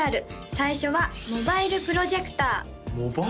最初はモバイルプロジェクター？